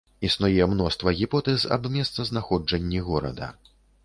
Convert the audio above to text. Існуе мноства гіпотэз аб месцазнаходжанні горада.